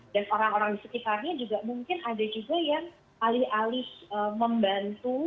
dan orang orang di sekitarnya juga mungkin ada juga yang alih alih membantu